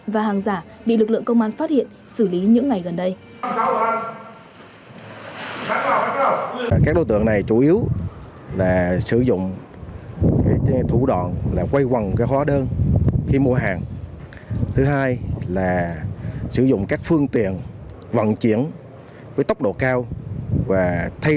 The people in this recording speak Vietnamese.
và hàng giả bị lực lượng công an phát hiện xử lý những ngày gần đây